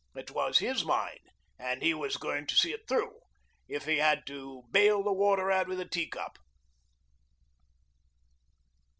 It was his mine and he was going to see it through, if he had to bale the water out with a tea cup.